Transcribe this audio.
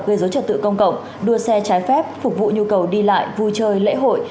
gây dối trật tự công cộng đua xe trái phép phục vụ nhu cầu đi lại vui chơi lễ hội